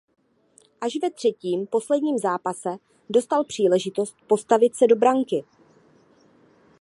Až ve třetím posledním zápase dostal příležitost postavit se do branky.